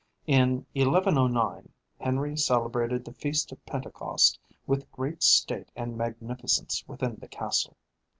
In 1109 Henry celebrated the feast of Pentecost with great state and magnificence within the castle.